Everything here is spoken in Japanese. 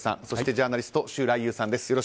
そしてジャーナリスト周来友さんです。